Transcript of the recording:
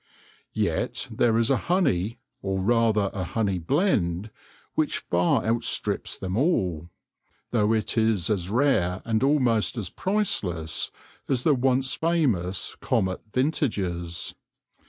Yet there is a honey, or rather a honey blend, which far outstrips them all, though it is as rare and almost as priceless as the once famous Comet vintages.